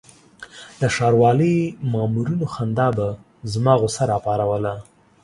د ښاروالۍ مامورینو خندا به زما غوسه راپاروله.